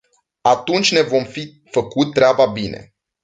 Atunci ne vom fi făcut treaba bine.